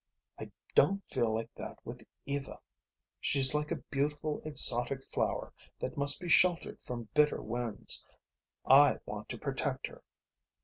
I don't feel like that with Eva. She's like a beautiful exotic flower that must be sheltered from bitter winds. I want to protect her.